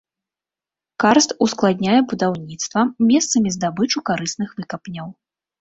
Карст ускладняе будаўніцтва, месцамі здабычу карысных выкапняў.